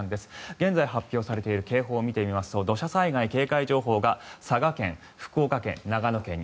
現在発表されている警報は土砂災害警戒情報は佐賀県、福岡県、長野県に。